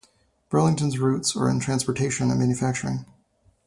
Burlington's roots are in transportation and manufacturing.